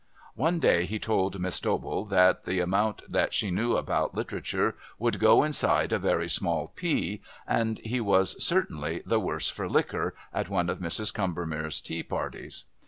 One day he told Miss Dobell that the amount that she knew about literature would go inside a very small pea, and he was certainly "the worse for liquor" at one of Mrs. Combermere's tea parties.